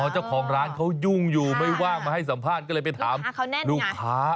เจ้าของร้านเขายุ่งอยู่ไม่ว่างมาให้สัมภาษณ์ก็เลยไปถามลูกค้า